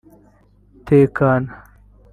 Tekana